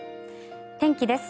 天気です。